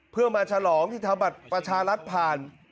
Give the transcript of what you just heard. เพื่อมาฉลองที่ทำบัตรประชารัฐผ่าน